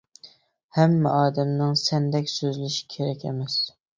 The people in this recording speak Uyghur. ھەممە ئادەمنىڭ سەندەك سۆزلىشى كېرەك ئەمەس.